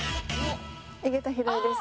井桁弘恵です。